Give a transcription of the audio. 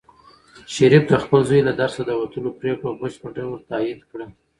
شریف د خپل زوی له درسه د وتلو پرېکړه په بشپړ ډول تایید کړه.